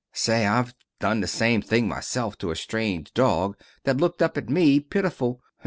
Say, I've done the same thing myself to a strange dog that looked up at me, pitiful.